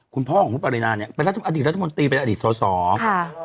คุณพ่อของคุณปรินาเนี่ยอดีตรัชมนตรีเป็นอดีตสอง